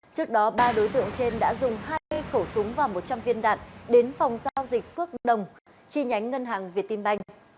trước đó ba đối tượng trên đã dùng hai khẩu súng và một trăm linh viên đạn đến phòng giao dịch phước đồng chi nhánh ngân hàng việt tim banh